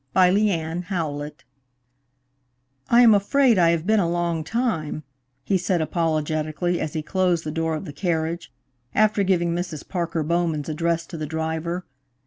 II "I am afraid I have been a long time," he said apologetically, as he closed the door of the carriage, after giving Mrs. Parker Bowman's address to the driver.